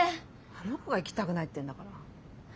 あの子が行きたくないってんだから。